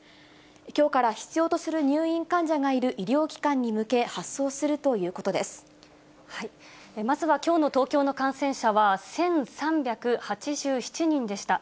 きょうから必要とする入院患者がいる医療機関に向け、発送するとまずはきょうの東京の感染者は１３８７人でした。